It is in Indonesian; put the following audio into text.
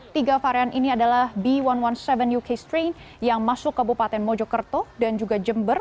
tiga varian ini adalah b satu satu tujuh uk strain yang masuk kabupaten mojokerto dan juga jember